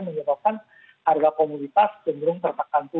menyebabkan harga komoditas cenderung terpekan turun gitu